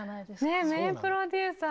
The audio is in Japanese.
ねえ名プロデューサー。